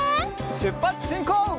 しゅっぱつしんこう！